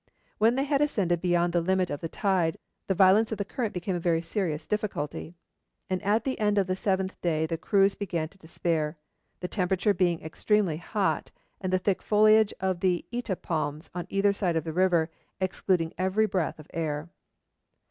When they had ascended beyond the limit of the tide, the violence of the current became a very serious difficulty, and at the end of the seventh day the crews began to despair, the temperature being extremely hot, and the thick foliage of the Ita palms on either side of the river excluding every breath of air.